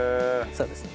そうですね。